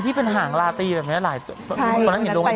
ที่เป็นหางลาตีแบบนี้หลายตอนนั้นเห็นโรงงาน